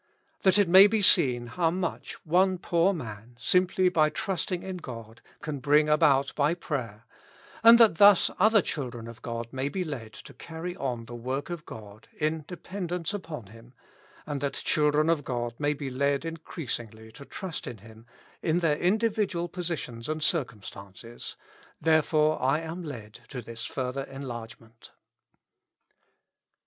That it may be seen how much one poor man, simply by trusting in God, can bring about by prayer ; and that thus other children of God may be led to carry on the work of God in dependence upon Him ; and that children of God may be led increasingly to trust in Him in their individual positions and circumstances, there fore I am led to this further enlargement."